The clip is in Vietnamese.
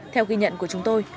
theo ghi nhận của chúng tôi